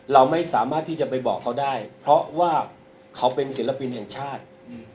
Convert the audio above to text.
เราไม่สามารถที่จะไปบอกเขาได้เพราะว่าเขาเป็นศิลปินแห่งชาติ